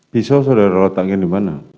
pisau saudara letakkan dimana